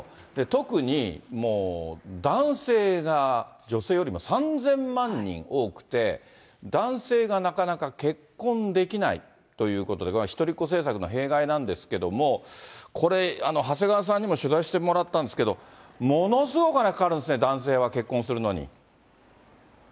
特にもう男性が女性よりも３０００万人多くて、男性がなかなか結婚できないということで、これは一人っ子政策の弊害なんですけども、これ、長谷川さんにも取材してもらったんですけど、ものすごくお金かかるんですね、男性は、結婚するのに。